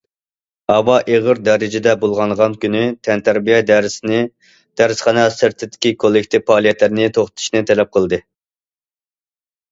ھاۋا ئېغىر دەرىجىدە بۇلغانغان كۈنى، تەنتەربىيە دەرسىنى، دەرسخانا سىرتىدىكى كوللېكتىپ پائالىيەتلەرنى توختىتىشنى تەلەپ قىلدى.